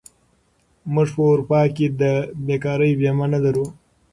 موږ په اروپا کې د بېکارۍ بیمه نه لرو.